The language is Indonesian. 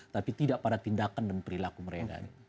tapi tidak pada tindakan dan perilaku mereka